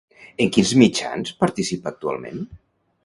En quins mitjans participa actualment?